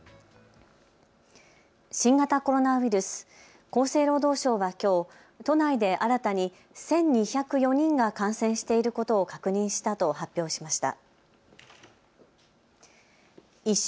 新型コロナウイルス、厚生労働省はきょう都内で新たに１２０４人が感染していることを確認したと発表しました。